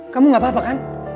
kamu gak apa apa kan